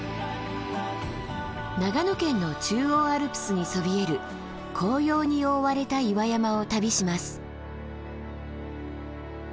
長野県の中央アルプスにそびえる紅葉に覆われた岩山を旅します。